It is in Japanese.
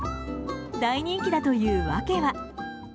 大人気だという訳は。